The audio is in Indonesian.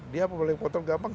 dia pakai motor gampang